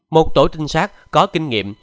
một tổ tinh sát có kinh nghiệm